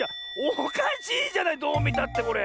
おかしいじゃないどうみたってこれ。